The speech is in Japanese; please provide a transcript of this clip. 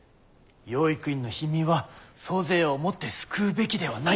養育院の貧民は租税をもって救うべきではない！